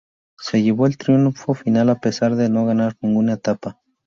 Se llevó el triunfo final, a pesar de no ganar ninguna etapa.